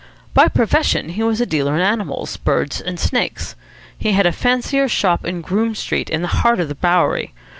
By profession he was a dealer in animals, birds, and snakes. He had a fancier's shop in Groome street, in the heart of the Bowery.